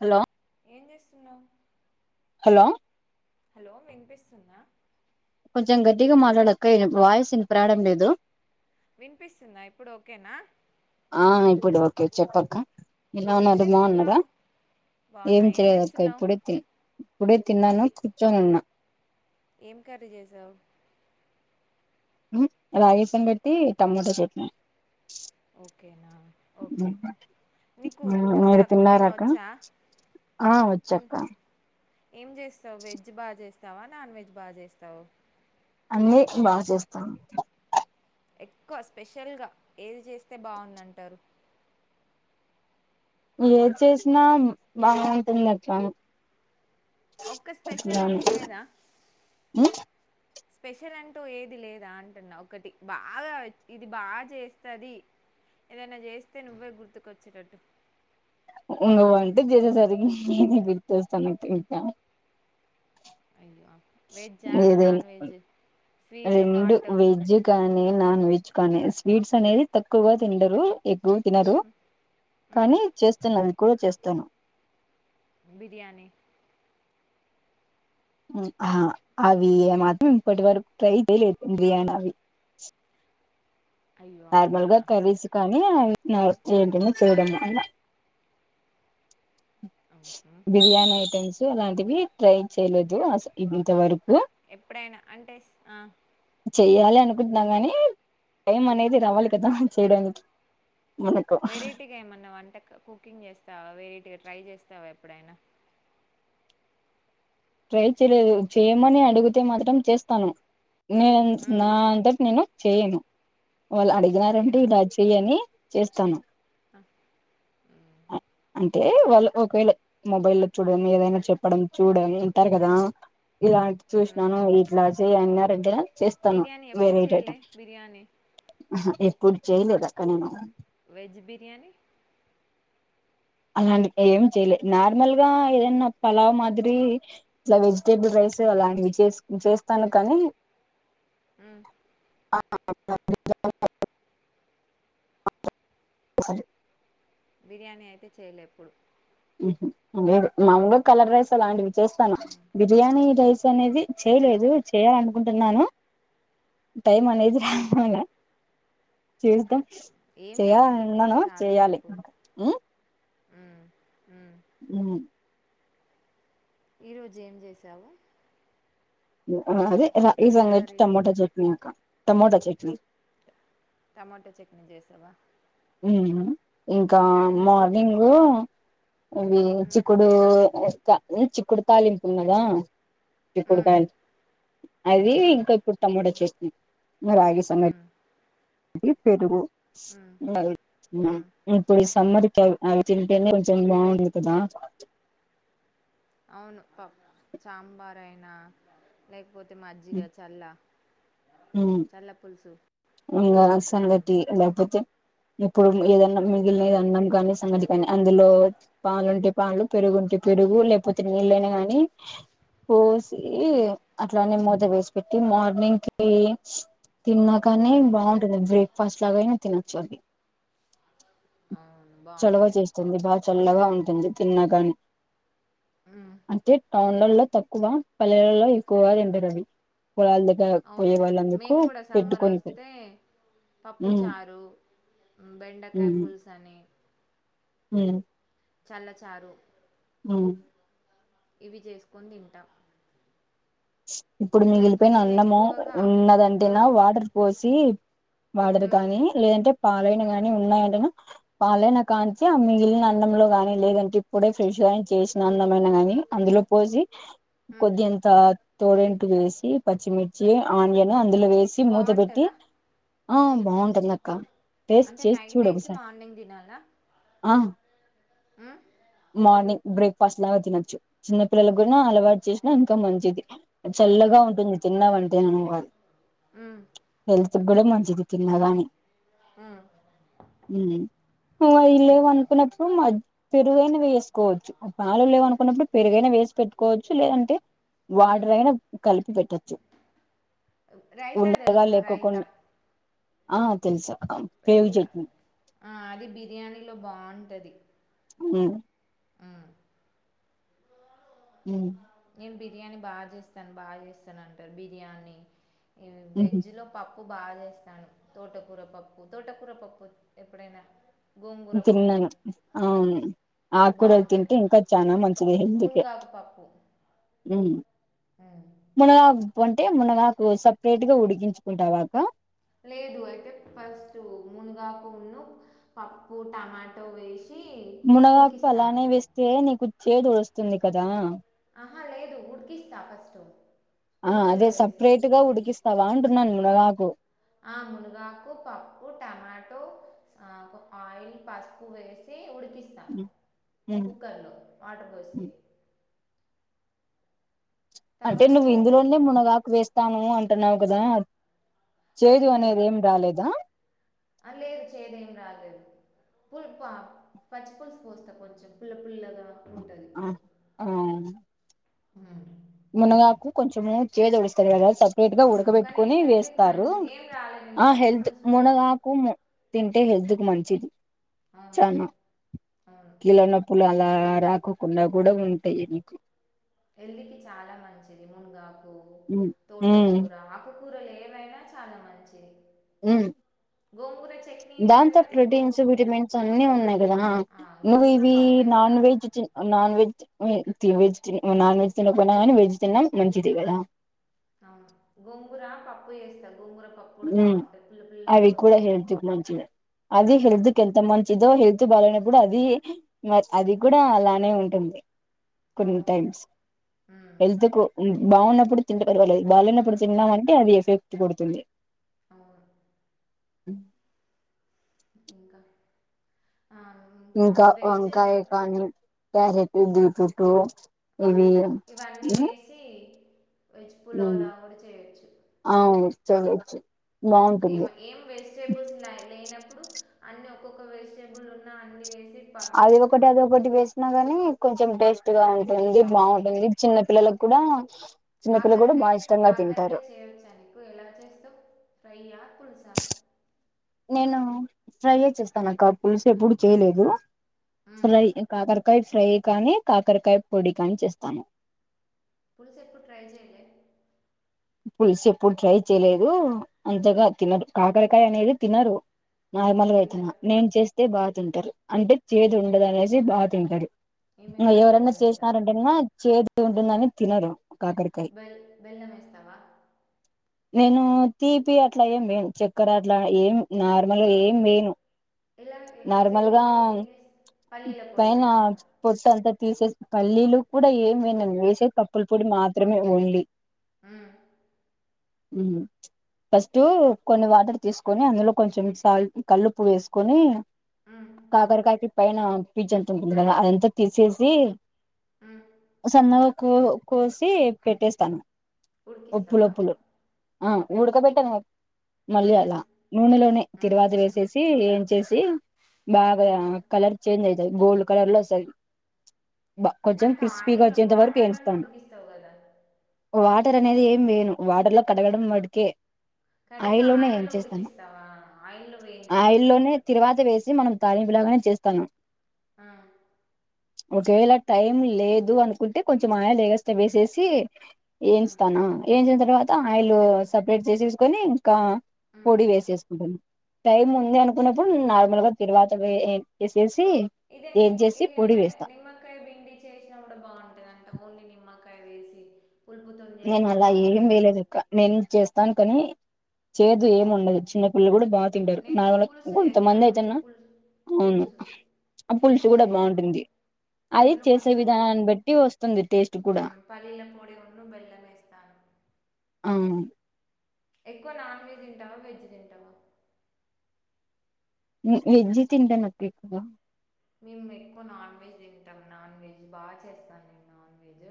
Hello ఏం చేస్తున్నావు hello hello వినిపిస్తుందా కొంచెం గట్టిగా మాట్లాడక ఈయన వాయిస్ ఇనిప్రదం లేదు వినిపిస్తుందా ఇప్పుడు ఓకేనా అహ్ ఇప్పుడు ఓకే చెప్పక్క ఎలా ఏం ఉన్నారు బావున్నారా? చేస్తున్నావు ఏం బాగున్నా చేయలేదు అక్క, చేస్తున్నావు ఇప్పుడే ఇప్పుడే తిన్నాను ది కూర్చొని ఉన్నా ఏం కర్రీ చేశావు అలా రైస్ ను పెట్టీ టమాోటా చట్నీ ఓకేనా ఓకే నీకు మీరు వచ్చా కుకింగ్ తిన్నారక్క వచ్చా ఆ తిన్ వచ్చాక్క ఏం చేస్తావు వెజ్ బాగా చేస్తావా నాన్ వెజ్ బాగా చేస్తావు అన్నీ బాగా చేస్తాను అంతే ఎక్కువ స్పెషల్ గా ఏది చేస్తే బాగుందంటారు ఏది చేసినా బానే ఉంటుంది అక్క ఒక్క స్పెషల్ ఏం లేదా స్పెషల్ అంటూ ఏది లేదా అంటున్నా ఒకటి బాగా ఇది బాగా చేస్తది ఏదైనా చేస్తే నువ్వే గుర్తుకొచ్చేటట్టు ఇంగ వంట చేసే సరికి నేనే గుర్తొస్తానట్టు ఇంకా అయ్యో వెజ్జా నాన్ ఏదైనా వెజ్ స్వీట్ రెండు హాట్ వెజ్ కానీ నాన్ వెజ్ కానీ స్వీట్స్ అనేది తక్కువగా తిండరు ఎక్ బు తినరు మ్, కానీ చేస్తున్న అవి కూడా చేస్తాను బిర్యానీ మ్ ఆ అవి మాత్రం ఇప్పటి వరకు ట్రై చే లేదు బిర్యానీ అవి అయ్యో అవునా నార్మల్గా కర్రీస్ కానీ అవి చే అంటేనే చేయడం వల్ల మ్హూ. బిర్యానీ ఐటమ్స్ అలాంటివి ట్రై చేయలేదు అస ఇంత వరకు ఎప్పుడైనా అంటే ఆ చెయ్యాలి అనుకుంటున్నా గానీ టైం అనేది రావాలి కదా మనం చేయడానికి మనకు వెరైటీగా ఏమన్నా వంట కుకింగ్ చేస్తావా వెరైటీగా ట్రై చేస్తావా ఎప్పుడైనా ట్రై చేయలేదు చేయమని అడిగితే మాత్రం చేస్తాను నేను మ్, నా అంతటి నేను చేయను వాళ్ళు చేయ అడిగినారంటే ఇలా చెయ్ అని చేస్తాను ఆ, మ్, అంటే వాళ్ళు ఒకవేళ మొబైల్ లో చూడడం ఏదైనా చెప్పడం చూడడం వింటారు కదా ఇలాంటి మ్. చూసినాను ఇట్లా చేయ అన్నారంటే చేస్తాను బిర్యానీ ఎప్పుడు చేయలే బిర్యానీ ఆ ఎప్పుడు చేయలేదు అక్క నేను వెజ్ బిర్యానీ అలాంటి ఏం చెయలేదు నార్మల్ గా ఏదన్నా పలావ మాదిరి ఇలా వెజిటేబుల్ రై చేసే అలాంటివి చే చేస్తాను కానీ మ్ స బిర్యానీ అయితే చేయలే ఎప్పుడు మ్ లేదు మాముగా కలర్ రైస్ అలాంటివి చేస్తాను హ్మ్ బిర్యానీ రైస్ అనేది హలో చేయలేదు చేయాలనుకుంటున్నాను టైం అనేది రా హ్మ్ చుద్దాం ఏం లేదు సింపుల్ చేయాలనున్నాను చేయ్యాలి మ్ మ్ మ్ మ్ ఈ రోజు ఏం చేసావు అదే ఈ ఏం సంగ కర్రీ టమోటా చేసావు చట్నీ అక్క టమోటా చట్నీ టమాటో చట్నీ చేసావా మ్ ఇంకా హ్మ్ మార్నింగ అవి హ్మ్ చిక్కుడు కా చిక్కుడు తాలింపు ఉన్నదా చిక్కుడు హ్మ్ కాయలు అది హ్మ్ ఇంకా ఇప్పుడు టమోట చట్నీ రాగి సంగ హ్మ్ టి పెరుగు హ్మ్ హ్మ్ [unintelligible] సమ్మదికి అవి తింటేనే కొంచెం బాగుంది కదా అవును ప సాంబార్ అయినా లేకపోతే మజ్జిగ చల్ల హు చల్ల పులుసు ఇంగ హ్మ్ సంగతి లేకపోతే ఇప్పుడు ఏదన్న మిగిలి హ్మ్ అన్నం కాని సంగటి కాని అందులో పాలుంటే పాలు పెరుగుంటే పెరుగు లేకపోతే నీళ్లయిన గాని పోసి ఈ హ్మ్ అట్లానే మూత వేసి పెట్టి మార్నింగ్ కి తిన్నాకాని బాగుంటుంది బ్రేక్ ఫాస్ట్ లాగయినా తినచ్చు అది అవును చల్వ బాగుంటాయి చేస్తుంది బాగా చల్లగా ఉంటుంది తిన్నా కాని హ్మ్ అంటే టౌన్ లలో తక్కువ పల్లెలలో ఎక్కువగా తింటారు అవి పొలాల దగ్గర అవును పోయే వాళ్ళందుకు మేము కూడా సమ్మర్ పెట్టుకొని వస్తే పప్పు ఉమ్ చారు బెండకాయ పులుసు అని హు చల్లచారు ఆ ఇవి చేసుకొని తింటాం ఇప్పుడు మిగిలిపోయిన నేను అన్నము ఎక్కువగా ఉన్నదంటేనా మ్మ్, వాటర్ పోసి వాడరు మ్మ్, కానీ లేదంటే పాలైన గానీ ఉన్నాయంట పాలైన కాంచి ఆ మిగిలిన అన్నంలో గానీ లేదంటే ఇప్పుడే ఫ్రెష్ గాని చేసిన అన్నం అయినా గాని అందులో పోసి మ్మ్. కొద్దంతా తోరంటు వేసి పచ్చిమిర్చి ఆనియన్ అందులో వేసి మూత పెట్టి బాగుంటుందా ఆ బాగుంటుంది అక్క అంటే నైట్ వేసి మార్నింగ్ తినాలా ఆ హు మార్నింగ్ బ్రేక్ ఫాస్ట్ లాగా తినొచ్చు చిన్న పిల్లలు కూడా అలవాటు చేసినా ఇంకా మంచిది చల్లగా మ్మ్, ఉంటుంది తిన్నవంటే అను కాదు మ్మ్, హల్త్ కూడా మంచిది తిన్నగానీ మ్మ్, ఊ హు అయి లేవు అనుకున్నప్పుడు మధ్య పెరుగైన వేసుకోవచ్చు పాలు లేవు అనుకున్నప్పుడు పెరుగైనా వే పెట్టుకోవచ్చు లేదంటే మ్మ్. వాటర్ అయినా కలిపి పెట్టచ్చు రైతా ఉండగా తెలుసా రాయితా లేకోకుండా ఆ తెలుసా రైత ఆ అది బిర్యానీలో బాగుంటది [unintelligible] హు ఉహు నేను బిర్యానీ బాగా చేస్తాను బాగా చేస్తాను అంటారు బిర్యానీ ఉహు వెజ్ లో ప పప్పు బాగా చేస్తాను తోటకూర పప్పు తోటకూర పప్పు ఎప్పుడైనా గోంగూర పప్పు తిన్నను అవును ఆకురలు బాగుంటుంది తింటే ఇంకా చానా మంచిది హెల్దికే మునగాకు పప్పు హు ఉమ్. మునగ అకు అంటే మునగాకు సపరేట్ గా ఉడికించుకుంటావా అక్క లేదు అయితే ఫస్ట్ మునుగా ఆకు ఉన్నావు పప్పు టమాటో వేసి మునగ ఆకు ఉడికిస్తాను అలానే వేస్తే నీకు చేదు వాస్తుంది కదా ఆహా లేదు ఉడికిస్తా ఫస్ట్ ఆ కుక్కర్లో అదే వేసి సపరేట్ గా ఉడికిస్తావా అంటున్నాను మునగాకు ఆ మునగాకు పప్పు టమాటో ఆ ఆయిల్ పసుపు వేసి ఉడి కిస్తా ఉమ్ కుక్కర్ లో వాటర్ పోసి అంటే తర్వాత నువ్వు పోపు ఇందులోనే వేస్తా మునగాకు వేస్తాను అంటున్నావు కదా లేదు చేదు లేదు అనేది ఏం రాలేదా ఆ లేదు చేదు ఏం రాలేదు పుల్పా పచ్చి పులుసు పోస్తా కొంచెం పుల్ల పుల్లగా ఉంటుంది ఆ [unintelligible] మునగాకు కొంచము చేద ఒడుస్తారు కదా సపరేట్ గా అవును కానీ ఉడకబెట్టుకుని హెల్త్కి వేస్తారు మంచిది ఏం రాలేదు నేను ఆ పచ్చి హెల్త్ పులుసు మునగాకు తింటే హెల్త్ కు మంచిది అవును చానా అవును కీళ్ళ నొప్పులు అలా ఆ రాకోకుండా కూడా ఉంటాయి నీకు ఎళ్ళికి చాలా మంచిది మునగాకు హ్మ్ కూరలు ఏవైనా చాలా మంచిది మ్ కూర చెయ్ దాంతో ప్రొటీన్స్ విటమిన్స్ అన్ని ఉన్నాయి కదా ఆ, నువ్వు గోంగూర ఇవి పప్పు నాన్ వేస్తాను వెజ్ చి నాన్ వెజ్ వె తి వెజ్ తిని నాన్ వెజ్ తినకపోయినా కానీ వెజ్ తిన్నా మంచిది కదా అవును గోంగూర పప్పు చేస్తాం ఉమ్ అవి కూడా వస్తది హెల్త్ కి మంచిదే అది ఉమ్, హెల్త్ కి ఎంత మంచిదో హె ల్త్ బలానికి గూడ అది మర్ అది కూడా అలానే ఉంటుంది కొన్ని అవును టైమ్స్ ఉమ్, హెల్త్ కు బావున్నప్పుడు తింటే పర్వాలేదు బాలేనప్పుడు ఉమ్, తిన్నామంటే అది ఎఫెక్ట్ కొడుతుంది అవును ఉమ్ ఇంకా ఆ, ఇంకా వెజ్ వంకాయ కానీ క్యారెటు బీట్రూటు ఆ ఇవన్నీ వేసి వెజ్ పులావ్ లా కూడా చేయొచ్చు చేయచ్చు ఏమ ఏం వెజిటేబుల్స్ ల్య లేనప్పుడు అన్ని ఒక్కొక్క వెజిటేబుల్ ఉన్నా అన్ని వేసి పా అది ఒకటి అది ఒకటి వేసినా గానీ కొంచెం టెస్ట్ గా ఉంటుంది బాగుంటుంది బావుంటుంది చిన్న పిల్లలకు కూడా చిన్నపిల్లలు కూడా కాకరికాయ బాగా ఇష్టంగా తింటారు కాకరకాయ చేయొచ్చ నీకు ఎలా చేస్తావ్ ఫ్రైయా పులుసా నేను ఫ్రైయె చేస్తానక్క పులుసు ఎప్పుడు చేయలేదు ఉమ్, ఫ్రై కాకరకాయ ఫ్రై కానీ కాకరకాయ పొడి కానీ చేస్తాను పులుసేప్పుడు ట్రై చేయలే పులుసు ఎప్పుడు ట్రై చేయలేదు అంతగా తినరు కాకరకాయ అనేది తినరు నార్మల్గా తిన్నరా అయితేనా నేను చేస్తే బాగా తింటారు అంటే చేది ఉండదనేసి బా తింటారు ఏం ఇంగ వేస్తావు ఎవరైన్నా బెల్లం వేస్తావా చేసినారంటేన్మా చేదు ఉంటుందని తినరు కాకరకాయ బెల్ బెల్లమెస్తావా నేను తీపి అట్లా ఏం వేను చక్కర అట్లా ఏం నార్మల్ గ మరి ఏం వేయను ఎలా ఎలా నార్మల్ చేదు గా ఉండది ఏం వేస్ పల్లీల పొడేస్తావా తీసేస్ పల్లీలు కూడా ఏం వేయనండి వేసేది పప్పుల పొడి మాత్రమే ఓన్లీ మ్మ్, మ్ హు ఫస్టు కొన్ని వాటర్ తీసుకొని అందులో కొంచెం సాల్ట్ కల్లు ఉప్పు వేసుకొని మ్మ్, కాకరకాయకి పైన పిచ్చు అంత ఉంటుంది కదా అదంతా తీసేసి మ్మ్. సన్నగా కో కోసి పెట్టేస్తాను ఒప్పు ఉడికిస్తావా లొప్పులు ఆ ఉడక పెట్టను మళ్ళీ మ్మ్, అలా నూనెలోనే మ్మ్, తిరువాతి వేసేసి ఏంచేసి బాగా మ్మ్. కలర్ చేంజ్ అయితది గోల్డ్ కలర్ లో వస్తది బ కొంచెం అంటే క్రిస్పీగా ఆయిల్లో వచ్చేంత వరకు వాటర్లోనే ఎయించుతాను ఉడికిస్తావు కదా వాటర్ అనేది ఏం వేయను వాటర్ లో కడగడం మడ్కే కడిగి ఆయిల్లోనే ఆయిల్లో ఎయించేస్తాను ఉడికిస్తావా ఆయిల్లో వేయించుతావు ఆయిల్లోనే తిరువాత వేసి మనం తాలింపు లాగానే చేస్తాను ఆ ఒకవేళ టైం లేదు అనుకుంటే కొంచెం ఆయిల్ ఎగస్టా వేసేసి మ్మ్, ఏంచుత్తనా ఎయించిన తర్వాత ఆయిల్ సెపరేట్ చేసేసుకొని ఇంకా మ్మ్. పొడి వేసేసుకుంటాను టైమ్ ఉంది అనుకున్నప్పుడు నార్మల్ గా తిరువాత వేేవేసేసి ఇదే ఇప్పు ఇ లెమన్ నిమ్మకాయ పిండి చేసినా కూడా బాగుంటదంట ఓన్లీ ని మ్మకాయ వేసి పులుపుతో నేను చేసినా అలా ఏం బాగుంటుంది అంట వేయలేదక్క నేను చేస్తాను కాని చేదు ఏమి బాగుంటుంది ఉండదు చిన్న పిల్లలు కూడా బా తింటారు నేను మావాళ్ళు పులుసు కొంతమంది చేస్తాను అయితేన పులుసు అవును పులుసు ఆ పులుసు కూడా బాగుంటుంది అది అందులో చేసే కొంచెం విధానాన్ని బట్టి వస్తుంది టేస్ట్ కూడా ను బెల్లం వెస్తాను అవు ఎక్కువ నాన్ వెజ్ తింటావా వెజ్ తింటావా వెజ్ తింటనా ఎక్కువ మేము ఎక్కువ నాన్ వెజ్ తింటాం నాన్ వెజ్ బాగా చేస్తాను నేను నాన్ వెజ్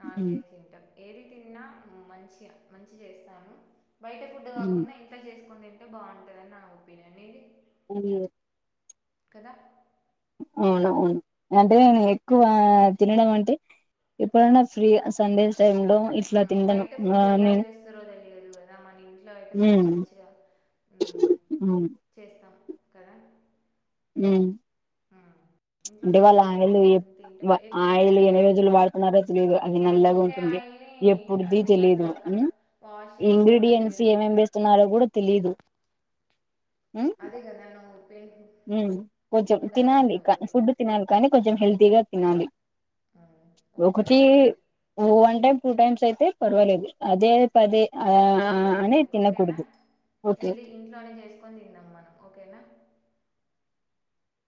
నాన్ వెజ్ తింటాం ఏది తిన్నా మంచి మంచి చేస్తాను బయట ఫుడ్ కాకుండా ఇంట్లా చేసుకుని తంటే బాగుంటుందిని నా ఒపీనియన్ ఇది ఆ కదా అవునవును అంటే నేను ఎక్కువ తినడం అంటే ఎప్పుడన్నా ఫ్రీ సండే టైమ్ లో ఆ! ఇట్లా తిందను బయట ఫుడ్ నేను ఇట్లా అయితే మనం ఉమ్, మంచిగా ఉమ్, చేస్తాం కదా ఉమ్. ఆ అంటే వాళ్ళు ఆయలు ఆయలు ఎప్పుడైనా ట ఎన్ని రోజులు వాడుతున్నారో తెలియదు అది అవును. నల్లాగా ఒకే ఉంటుంది ఆయిల్‌ని ఎప్పుడుది అది తెలిదు అసలు ఒక వాష్ చేస్తారో ఇంగ్రీడియంట్స్ తెలియదు. ఏమేమి వేస్తున్నారో కూడా తెలీదు అదేగా నాను కొంచెం తినాలి అంటావు కదా! ఫుడ్ తినాలి కానీ కొంచెం హెల్తీగా తినాలి హ్మ్. ఓకే ఒకటి మరి. వన్ టైమ్ టూ టైమ్స్ అయితే పర్వాలేదు అదే ప్పదే ఆ అనే తినకూడదు ఓకే ఎల్ది ఇంట్లోనే చేసుకొని తిన్నాం మనం ఓకేనా